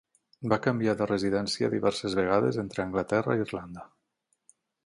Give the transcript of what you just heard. Va canviar de residència diverses vegades entre Anglaterra i Irlanda.